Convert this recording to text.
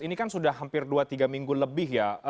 ini kan sudah hampir dua tiga minggu lebih ya